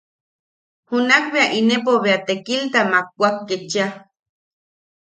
Junak bea inepo bea tekilta makwak ketchia: